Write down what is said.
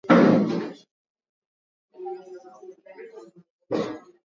Ndama wanaozaliwa na majike wachanga wako katika hatari kubwa ya kuambukizwa ugonjwa huu kuliko